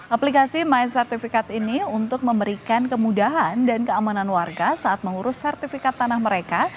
aplikasi my sertifikat ini untuk memberikan kemudahan dan keamanan warga saat mengurus sertifikat tanah mereka